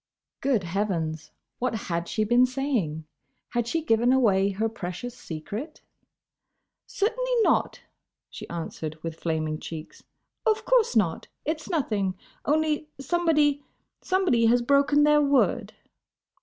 Good heavens! What had she been saying? Had she given away her precious secret? "Certainly not!" she answered, with flaming cheeks. "Of course not. It's nothing. Only somebody—somebody has broken their word."